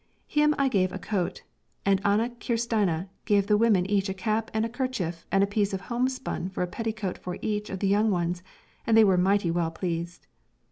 Him I gave a coat, and Ane Kirstine gave the women each a cap and a kerchief and a piece of homespun for a petticoat for each of the young ones, and they were mighty well pleased.